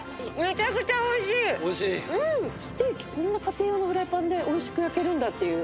ステーキこんな家庭用のフライパンで美味しく焼けるんだっていう。